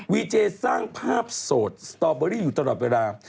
เจสร้างภาพโสดสตอเบอรี่อยู่ตลอดเวลา